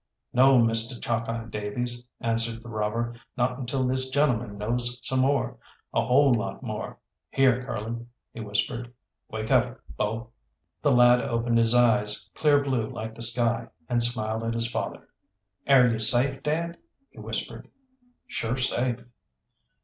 "No, Mistah Chalkeye Davies," answered the robber, "not until this gentleman knows some more, a whole lot more. Here, Curly," he whispered, "wake up, bo'." The lad opened his eyes, clear blue like the sky, and smiled at his father. "Air you safe, dad?" he whispered. "Sure safe."